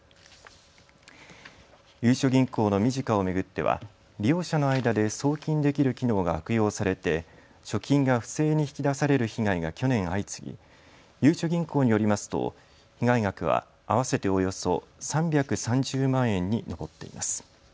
ゆうちょ銀行のｍｉｊｉｃａを巡っては利用者の間で送金できる機能が悪用されて貯金が不正に引き出される被害が去年、相次ぎゆうちょ銀行によりますと被害額は合わせておよそ３３０万円に上っています。